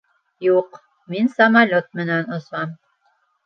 Юҡ, мин самолет менән осам